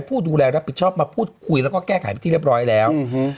ผู้ดูแลรับผิดชอบมาพูดคุยแล้วก็แก้ไขเป็นที่เรียบร้อยแล้ว